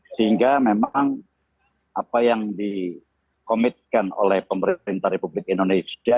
sehingga memang apa yang dikomitkan oleh pemerintah republik indonesia